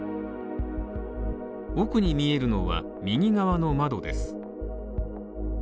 奥に見えるのは、右側の窓です。